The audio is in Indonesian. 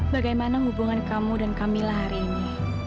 bagaimana hubungan kamu dan kamilah hari ini